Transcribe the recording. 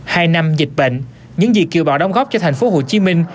hai năm dịch bệnh những gì kiều bào đóng góp cho thành phố hồ chí minh